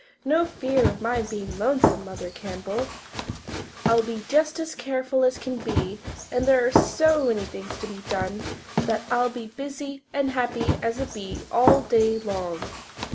"No fear of my being lonesome, Mother Campbell. I'll be just as careful as can be and there are so many things to be done that I'll be as busy and happy as a bee all day long.